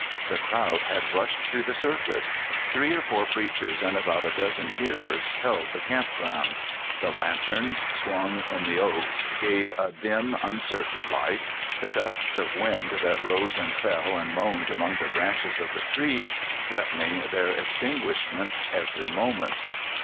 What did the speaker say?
The crowd had rushed to the circus. Three or four preachers and about a dozen hearers held the camp ground. The lanterns, swung in the oaks, gave a dim, uncertain light, the gusts of wind that rose, and fell, and moaned among the ])ranches of the trees threatening their extingui. h ment evcrv moment.